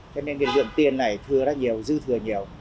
cho nên cái lượng tiền này thừa rất nhiều dư thừa nhiều